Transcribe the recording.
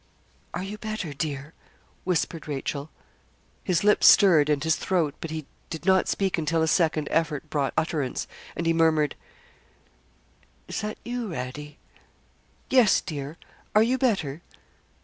'Are you better, dear?' whispered Rachel. His lips stirred and his throat, but he did not speak until a second effort brought utterance, and he murmured, 'Is that you, Radie?' 'Yes, dear. Are you better?'